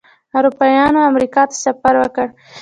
اروپایانو امریکا ته سفر وکړ.